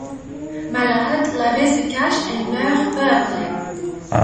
Malade, l'abbé se cache et meurt peu après.